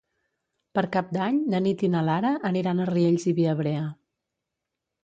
Per Cap d'Any na Nit i na Lara aniran a Riells i Viabrea.